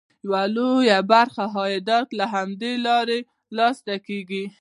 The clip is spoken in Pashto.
یوه لویه برخه عایدات له همدې لارې ترلاسه کېږي.